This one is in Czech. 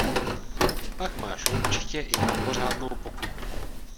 Pak máš určitě i na pořádnou pokutu.